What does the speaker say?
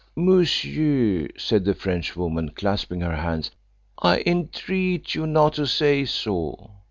"Monsieur," said the Frenchwoman, clasping her hands, "I entreat you not to say so.